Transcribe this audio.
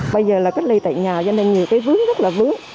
bây giờ là cách ly tại nhà cho nên nhiều cái vướng rất là vướng